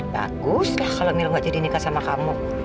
bagus lah kalau mil gak jadi nikah sama kamu